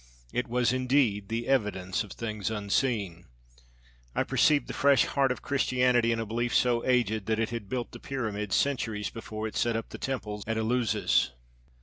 It was, indeed, the evidence of things unseen! I perceived the fresh heart of Christianity in a belief so aged that it had built the pyramids centuries before it set up the temples at Eleusis.